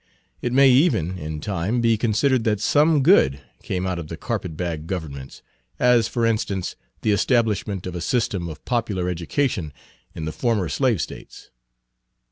It may even, in time, be conceded that some good came out of the carpet bag governments, as, for instance, the establishment of a system of popular education in the former slave States.